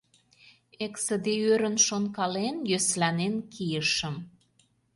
Эксыде ӧрын шонкален, йӧсланен кийышым.